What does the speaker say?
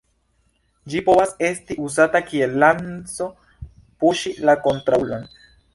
Ĝi povas esti uzata kiel lanco puŝi la kontraŭulon.